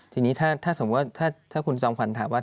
ทีนี้ถ้าสมมุติถ้าคุณจอมขวัญถามว่า